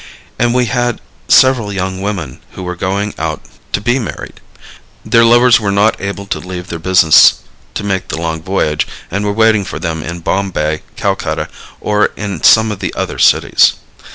And we had several young women who were going out to be married. Their lovers were not able to leave their business to make the long voyage, and were waiting for them in Bombay, Calcutta or in some of the other cities.